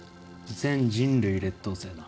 全人類劣等生だ。